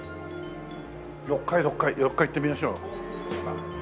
６階６階６階行ってみましょう。